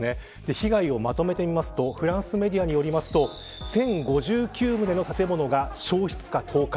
被害をまとめてみますとフランスメディアによりますと１０５９棟の建物が焼失か倒壊。